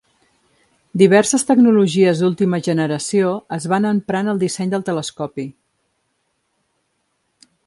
Diverses tecnologies d'última generació es van emprar en el disseny del telescopi.